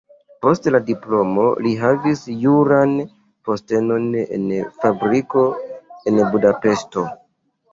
Post la diplomo li havis juran postenon en fabriko en Budapeŝto.